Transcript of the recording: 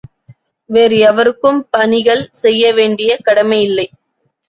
வேறு எவருக்கும் பணிகள் செய்ய வேண்டிய கடமையில்லை.